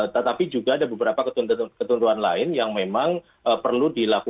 tetapi juga ada beberapa ketentuan lain yang memang perlu dilakukan